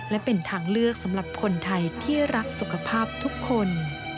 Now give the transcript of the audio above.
และเป็นทางเลือกสำหรับคนไทยที่รักสุขภาพทุกคน